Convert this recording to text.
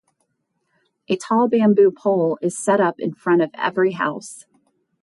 A tall bamboo pole is set up in front of every house.